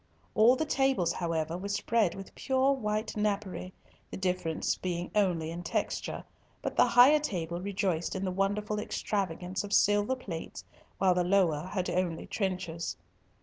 All the tables, however, were spread with pure white napery, the difference being only in texture, but the higher table rejoiced in the wonderful extravagance of silver plates, while the lower had only trenchers.